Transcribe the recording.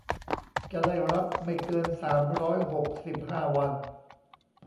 จะได้รับไม่เกิน สามร้อยหกสิบห้า วัน